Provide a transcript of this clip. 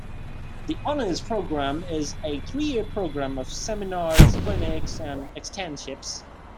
The Honors Program is a three-year program of seminars, clinics, and externships.